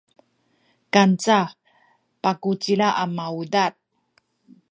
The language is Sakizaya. kanca pakucila a maudad